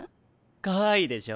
かわいいでしょ？